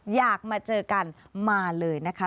อยากมาเจอกันมาเลยนะคะ